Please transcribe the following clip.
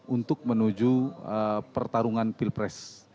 untuk menuju pertarungan pilpres